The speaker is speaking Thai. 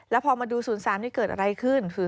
แล้วพอมาดู๐๓นี่เกิดอะไรขึ้น